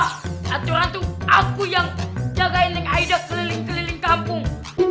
hantu hantu aku yang jagain dengan aida keliling keliling kampung